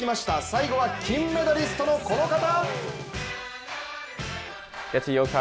最後は金メダリストのこの方！